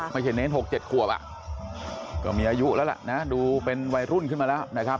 ไม่ใช่เน้น๖๗ขวบก็มีอายุแล้วล่ะนะดูเป็นวัยรุ่นขึ้นมาแล้วนะครับ